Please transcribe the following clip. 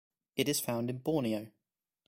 It is found in Borneo.